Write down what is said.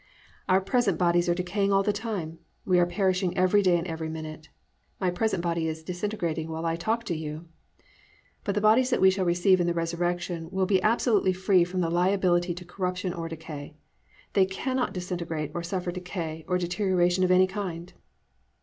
Our present bodies are decaying all the time. We are perishing every day and every minute. My present body is disintegrating while I talk to you. But the bodies that we shall receive in the resurrection will be absolutely free from the liability to corruption or decay. They cannot disintegrate or suffer decay or deterioration of any kind.